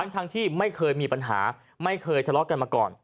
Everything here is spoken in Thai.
ทั้งที่ไม่เคยมีปัญหาไม่เคยทะเลาะกันมาก่อน